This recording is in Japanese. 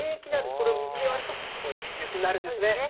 これを水で割ると、おいしいジュースになるんですね。